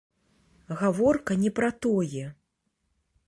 Гаворка не пра тое.